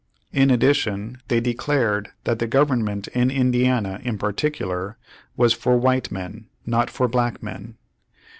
In addition they declared that government in Indiana, in particular, vv^as for white men, not for black men.